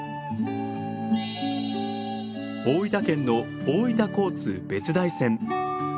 大分県の大分交通別大線。